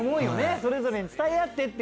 それぞれに伝え合ってっていう。